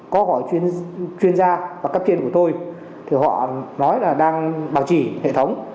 có gọi chuyên gia và cấp tiền của tôi thì họ nói là đang bảo trì hệ thống